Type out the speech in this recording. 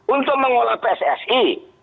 untuk mengolah pssi